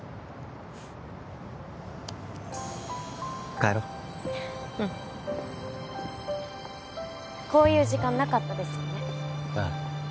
帰ろううんこういう時間なかったですよねああ